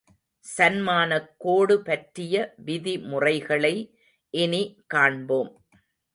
சன்மானக் கோடு பற்றிய விதிமுறைகளை இனி காண்போம்.